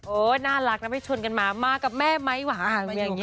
โอ้น่ารักนะไปชวนกันมามากับแม่ไหมวะเหมือนอย่างนี้